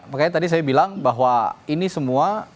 makanya tadi saya bilang bahwa ini semua